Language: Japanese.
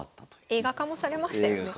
映画化もされましたよね。